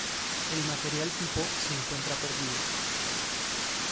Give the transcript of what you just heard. El material tipo se encuentra perdido.